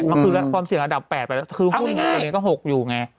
มันคือความเสี่ยงอันดับ๘ไปแล้วคือหุ้นตัวนี้ก็๖อยู่ไง